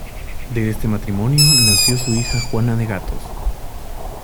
De este matrimonio nació su hija Juana de Gatos.